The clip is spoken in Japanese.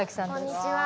こんにちは。